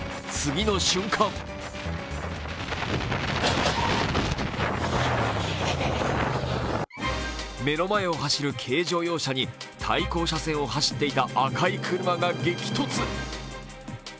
次の瞬間目の前を走る軽乗用車に対向車線を走っていた赤い車が激突。